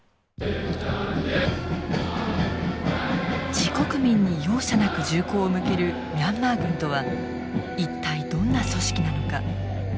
自国民に容赦なく銃口を向けるミャンマー軍とは一体どんな組織なのか。